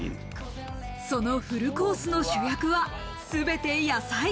そのフルコースの主役はすべて野菜。